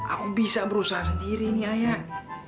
aku bisa berusaha sendiri nih ayah